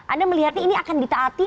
anda melihatnya ini akan ditaati